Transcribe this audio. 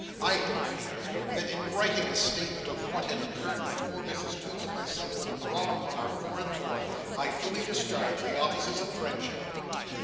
I hope, Feeder, that in writing a statement of what had occurred before Mrs Toots and myself went abroad upon our foreign tour, I fully discharged the offices of friendship."